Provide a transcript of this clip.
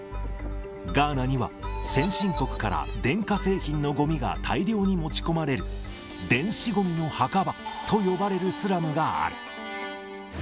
ガーナには先進国から電化製品のごみが大量に持ち込まれる、電子ごみの墓場と呼ばれるスラムがある。